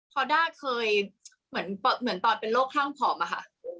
พอด้าเคยเหมือนตอนเป็นโรคข้างผอมอะค่ะ